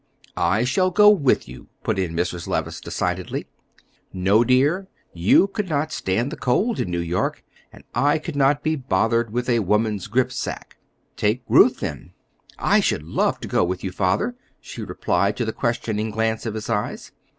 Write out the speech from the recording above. "I shall go with you," put in Mrs. Levice, decidedly. "No, dear; you could not stand the cold in New York, and I could not be bothered with a woman's grip sack." "Take Ruth, then." "I should love to go with you, Father," she replied to the questioning glance of his eyes.